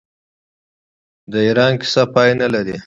د ایران کیسه پای نلري.